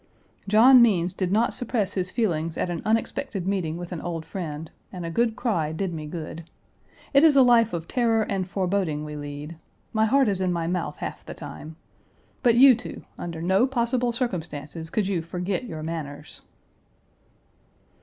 John Means did not suppress his feelings at an unexpected meeting with an old friend, and a good cry did me good. It is a life of terror and foreboding we lead. My heart is in my mouth half the time. But you two, under no possible circumstances could you forget your manners."